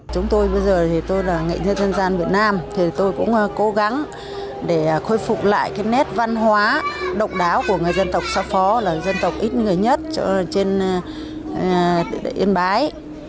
chúng tôi bây giờ thì tôi là nghệ nhân dân gian việt nam thì tôi cũng cố gắng để khôi phục lại cái nét văn hóa độc đáo của người dân tộc xa phó là dân tộc ít người nhất trên yên bái